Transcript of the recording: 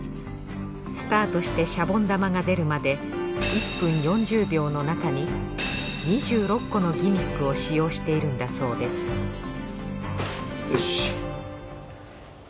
スタートしてシャボン玉が出るまで１分４０秒のなかに２６個のギミックを使用しているんだそうですよし。